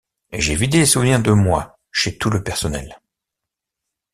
J’ai vidé les souvenirs de moi chez tout le personnel.